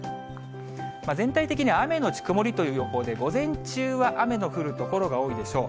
全体的に雨後曇りという予報で、午前中は雨の降る所が多いでしょう。